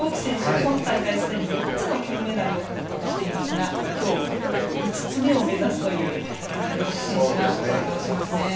今大会すでに４つの金メダルを獲得していますが今日、５つ目を目指すというイハル・ボキ選手が登場しますね。